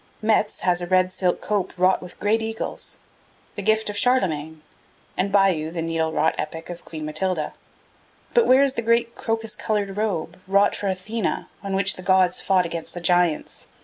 Metz has a red silk cope wrought with great eagles, the gift of Charlemagne, and Bayeux the needle wrought epic of Queen Matilda. But where is the great crocus coloured robe, wrought for Athena, on which the gods fought against the giants?